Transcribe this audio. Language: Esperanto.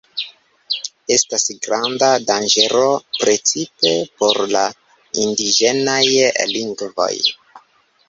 Estas granda danĝero precipe por la indiĝenaj lingvoj.